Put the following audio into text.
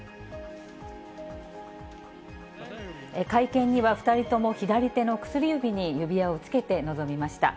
会見には２人とも左手の薬指に指輪をつけて臨みました。